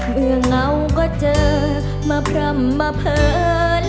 เมื่อเงาก็เจอมาพร่ำมาเผิน